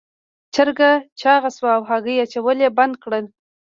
چرګه چاغه شوه او هګۍ اچول یې بند کړل.